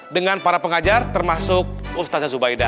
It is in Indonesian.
dengan para pengajar termasuk ustaznya zubaida